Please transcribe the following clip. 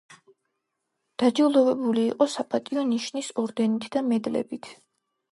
დაჯილდოვებული იყო საპატიო ნიშნის ორდენით და მედლებით.